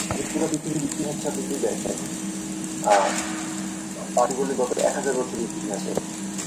পাকিস্তানি সেনারা আগেই ইকবাল হলের লাশ পেট্রল দিয়ে জ্বালিয়ে ভস্ম করে দেয়।